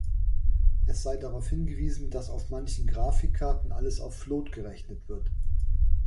Es sei darauf hingewiesen, dass auf manchen Grafikkarten alles auf float gerechnet wird.